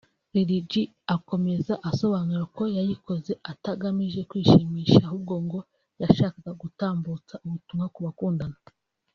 Lil G akomeza asobanura ko yayikoze atagamije kwishimisha ahubwo ngo yashakaga gutambutsa ubutumwa ku bakundana